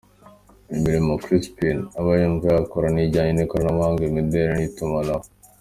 Imirimo Crispin aba yumva yakora ni ijyanye n’ikoranabuhanga, imideli n’ itumanaho.